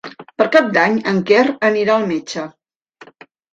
Per Cap d'Any en Quer anirà al metge.